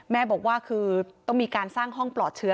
แม่บอกว่าคือต้องมีการสร้างห้องปลอดเชื้อ